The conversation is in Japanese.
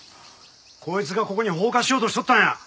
こいつがここに放火しようとしとったんや！